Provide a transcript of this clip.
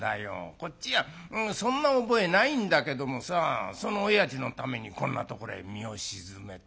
こっちはそんな覚えないんだけどもさそのおやじのためにこんなところへ身を沈めて。